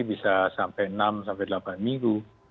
bisa sampai enam sampai delapan minggu